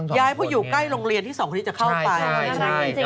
โรงเรียนที่๒คนอีกจะเข้าไปน่ารักจริงเลยนะครับใช่